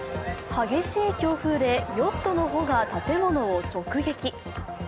激しい強風でヨットの帆が建物を直撃。